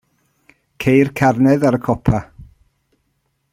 Ceir carnedd ar y copa.